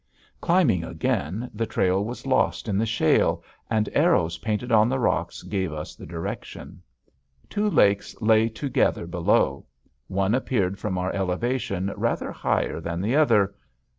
Climbing again, the trail was lost in the shale, and arrows painted on the rocks gave us the direction. Two lakes lay together below. One appeared from our elevation rather higher than the other.